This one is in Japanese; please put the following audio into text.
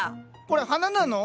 これ花なの？